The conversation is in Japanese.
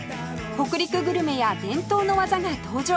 北陸グルメや伝統の技が登場！